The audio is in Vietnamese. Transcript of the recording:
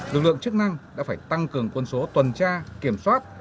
lực lượng chức năng đã phải tăng cường quân số tuần tra kiểm soát